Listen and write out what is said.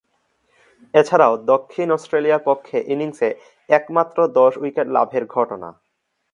এছাড়াও দক্ষিণ অস্ট্রেলিয়ার পক্ষে ইনিংসে একমাত্র দশ-উইকেট লাভের ঘটনা।